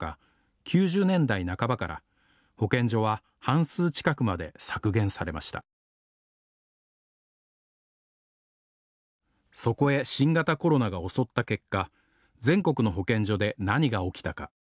９０年代半ばから保健所は半数近くまで削減されましたそこへ新型コロナが襲った結果全国の保健所で何が起きたか。